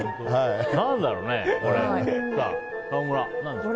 何だろうね、これ。